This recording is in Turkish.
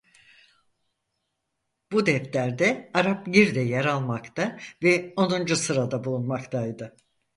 Bu defterde Arapgir de yer almakta ve onuncu sırada bulunmaktaydı.